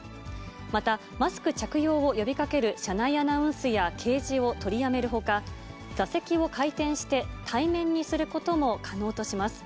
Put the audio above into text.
また、マスク着用を呼びかける車内アナウンスや掲示を取りやめるほか、座席を回転して対面にすることも可能とします。